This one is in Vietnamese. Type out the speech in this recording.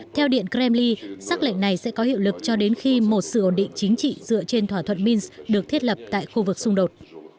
theo điện kremli xác lệnh này sẽ có hiệu lực cho đến khi một sự ổn định chính trị dựa trên thỏa thuận mins được thiết lập tại khu vực xung đột